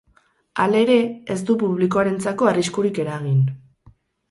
Halere, ez du publikoarentzako arriskurik eragin.